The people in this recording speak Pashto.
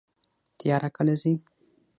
تیاره کله ځي؟